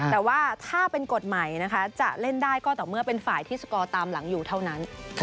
แต่ว่าถ้าเป็นกฎใหม่นะคะจะเล่นได้ก็ต่อเมื่อเป็นฝ่ายที่สกอร์ตามหลังอยู่เท่านั้น